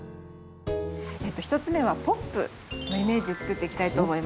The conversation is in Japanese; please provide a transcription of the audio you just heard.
１つ目はポップのイメージで作っていきたいと思います。